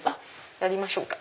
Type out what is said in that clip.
やりましょうか？